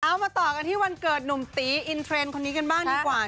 เอามาต่อกันที่วันเกิดหนุ่มตีอินเทรนด์คนนี้กันบ้างดีกว่า